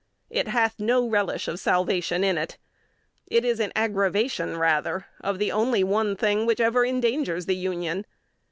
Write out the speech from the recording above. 'It hath no relish of salvation in it.' It is an aggravation, rather, of the only one thing which ever endangers the Union.